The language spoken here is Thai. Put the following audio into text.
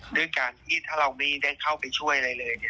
ด้วยการที่ถ้าเราไม่ได้เข้าไปช่วยอะไรเลย